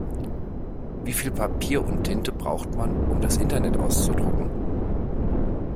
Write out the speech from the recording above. Wie viel Papier und Tinte braucht man, um das Internet auszudrucken?